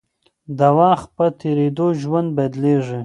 د وخت په تېرېدو ژوند بدلېږي.